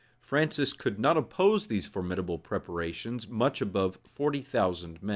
Francis could not oppose to these formidable preparations much above forty thousand men.